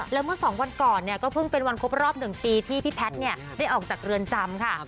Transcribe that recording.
แล้วเมื่อ๒วันก่อนเนี่ยก็เพิ่งเป็นวันครบรอบ๑ปีที่พี่แพทย์ได้ออกจากเรือนจำค่ะ